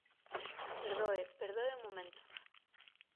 Perdoe, perdoe un momento.